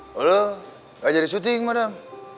halo gak jadi syuting madam